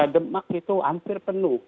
demak itu hampir penuh